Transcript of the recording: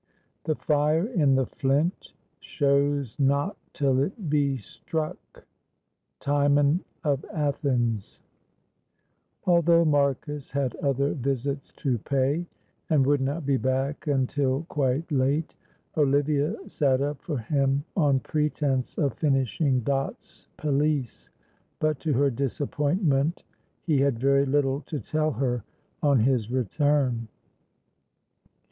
"The fire in the flint Shows not till it be struck." Timon of Athens. Although Marcus had other visits to pay, and would not be back until quite late, Olivia sat up for him on pretence of finishing Dot's pelisse, but to her disappointment he had very little to tell her on his return.